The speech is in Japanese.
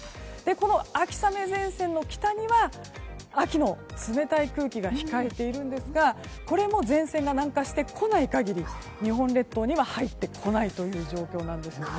この秋雨前線の北には秋の冷たい空気が控えているんですがこれも前線が南下してこない限り日本列島には入ってこないという状況なんですよね。